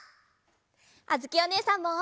あづきおねえさんも。